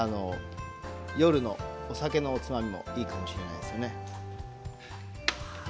夜のお酒のおつまみにいいかもしれません。